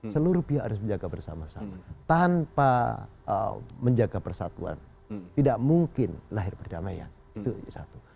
seluruh pihak harus menjaga bersama sama tanpa menjaga persatuan tidak mungkin lahir perdamaian itu satu